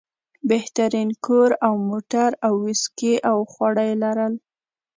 بهترین کور او موټر او ویسکي او خواړه یې لرل.